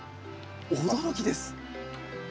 驚きです。